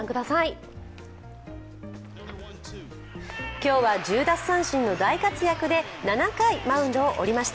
今日は１０奪三振の大活躍で７回マウンドを降りました。